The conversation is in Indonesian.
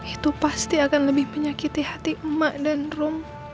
itu pasti akan lebih menyakiti hati emak dan rum